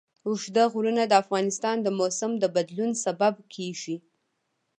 اوږده غرونه د افغانستان د موسم د بدلون سبب کېږي.